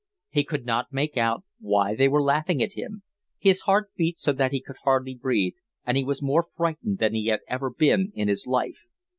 He could not make out why they were laughing at him. His heart beat so that he could hardly breathe, and he was more frightened than he had ever been in his life.